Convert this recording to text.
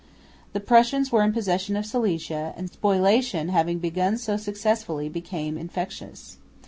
The Prussians were in possession of Silesia; and spoliation, having begun so successfully, became infectious.